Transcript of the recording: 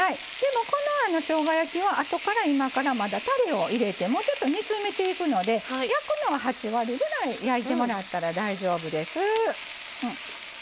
このしょうが焼きはあとから今から、たれを入れてもうちょっと煮詰めていくので８割ぐらい焼いてもらったら大丈夫です。